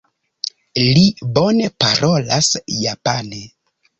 Li bone parolas japane.